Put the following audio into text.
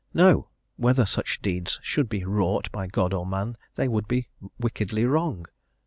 No! whether such deeds should be wrought by God or man, they would be wickedly wrong.